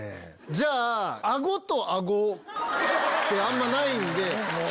じゃあアゴとアゴってあんまないんで。